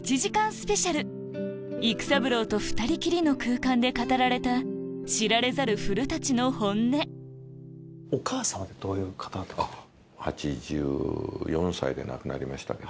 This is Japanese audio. スペシャル育三郎と２人きりの空間で語られた古のお母さまってどういう方だったんですか？